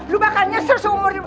lu bakal nyesel seumur